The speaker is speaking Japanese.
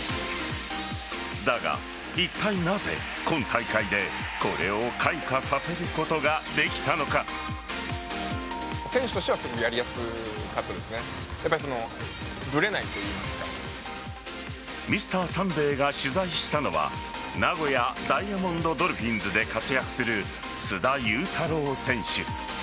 だが、いったいなぜ今大会でこれを開花させることができたのか。「Ｍｒ．サンデー」が取材したのは名古屋ダイヤモンドドルフィンズで活躍する須田侑太郎選手。